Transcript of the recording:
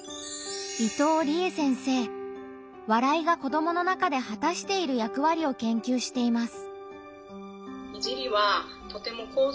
「笑い」が子どもの中ではたしている役割を研究しています。